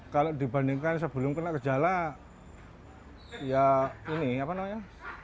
kalau dibandingkan sebelum kena gejala ya ini apa namanya